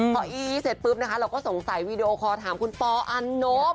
พออี้เสร็จปุ๊บนะคะเราก็สงสัยวีดีโอคอลถามคุณปออันนบ